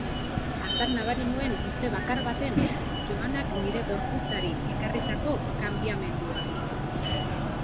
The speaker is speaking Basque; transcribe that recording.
Hartan nabari nuen urte bakar baten joanak nire gorputzari ekarritako kanbiamendua.